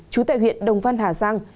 chú tại huyện đồng văn hà giang